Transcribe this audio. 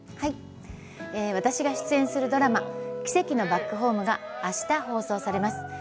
私が出演するドラマ、「奇跡のバックホーム」があした放送されます。